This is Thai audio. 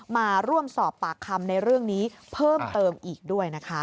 มาร่วมสอบปากคำในเรื่องนี้เพิ่มเติมอีกด้วยนะคะ